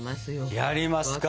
やりますか！